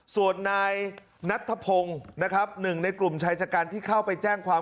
ส่วนนายนัทพงศ์นะครับ๑ในกลุ่มใช้ชาการที่เข้าไปแจ้งความ